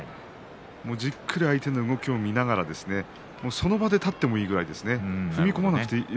じっくり相手の動きを見ながらその場で立ってもいいぐらいです。